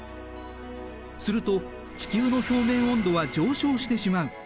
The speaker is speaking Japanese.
すると地球の表面温度は上昇してしまう。